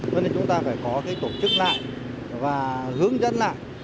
cho nên chúng ta phải có cái tổ chức lại và hướng dẫn lại